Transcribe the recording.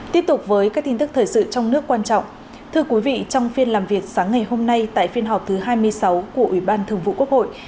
thưa quý vị trong phiên làm việc sáng ngày hôm nay tại phiên họp thứ hai mươi sáu của ủy ban thường vụ quốc hội